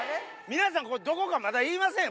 皆さん、ここがどこか、まだ言いません。